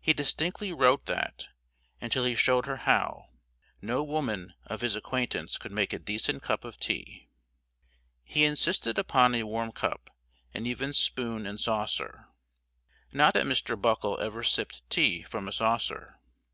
He distinctly wrote that, until he showed her how, no woman of his acquaintance could make a decent cup of tea. He insisted upon a warm cup, and even spoon, and saucer. Not that Mr. Buckle ever sipped tea from a saucer.